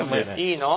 いいの？